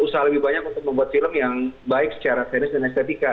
dan usaha lebih banyak untuk membuat film yang baik secara teknis dan estetika